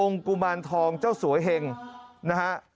กุมารทองเจ้าสวยเห็งนะฮะ